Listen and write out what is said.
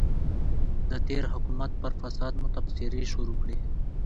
د تېر حکومت پر فساد مو تبصرې شروع کړې.